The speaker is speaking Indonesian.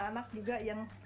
mengakali anak anak juga yang